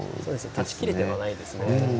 立ちきれてないですね。